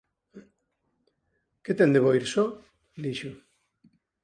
“Que ten de bo ir só?” dixo.